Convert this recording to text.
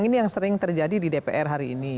ini yang sering terjadi di dpr hari ini